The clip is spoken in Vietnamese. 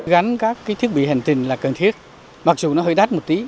gắn các thiết bị hành trình là cần thiết mặc dù nó hơi đắt một tí